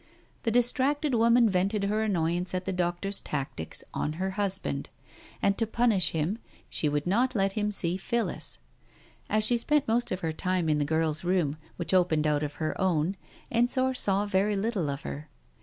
The distracted woman vented her annoyance at the doctor's tactics on her husband, and to punish him would not let him see Phillis. As she spent most of her time in the girl's room which opened out of her own, Ensor saw very little of her.